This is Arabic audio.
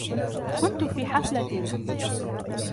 كنت في حفلة.